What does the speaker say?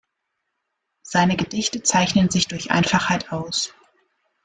Seine Gedichte zeichnen sich durch Einfachheit aus.